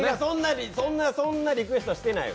そんな、そんなリクエストはしてない。